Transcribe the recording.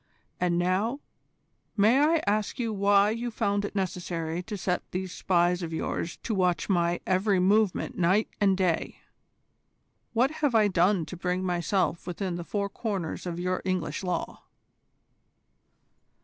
And now, may I ask you why you found it necessary to set these spies of yours to watch my every movement night and day? What have I done to bring myself within the four corners of your English law?"